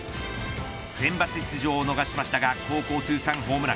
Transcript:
センバツ出場を逃しましたが高校通算ホームラン。